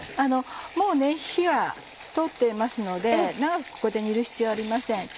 もう火は通っていますので長くここで煮る必要ありません。